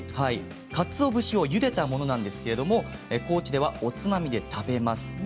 かつお節をゆでたものなんですけれども高知ではおつまみで食べます。